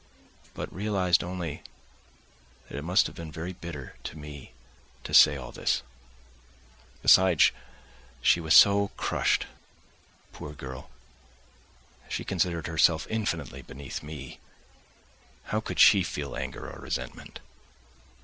but realised only that it must have been very bitter to me to say all this. Besides, she was so crushed, poor girl; she considered herself infinitely beneath me; how could she feel anger or resentment?